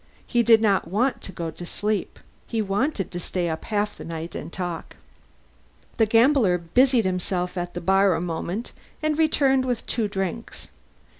He did not want to go to sleep; he wanted to stay up half the night and talk. The gambler busied himself at the bar a moment and returned with two drinks.